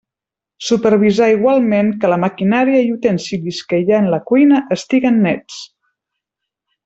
Supervisar igualment que la maquinària i utensilis que hi ha en la cuina estiguen nets.